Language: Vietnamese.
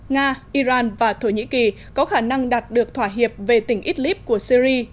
nga iran và thổ nhĩ kỳ có khả năng đạt được thỏa hiệp về tỉnh idlib của syri